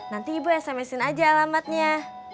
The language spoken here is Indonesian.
nanti ibu sms in aja alamatnya